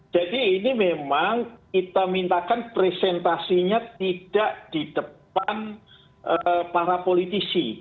jadi ini memang kita mintakan presentasinya tidak di depan para politisi